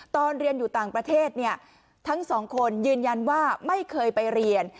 ตอนเรียนอยู่ต่างประเทศทั้งสองคนยืนยันว่าไม่เคยไปเรียน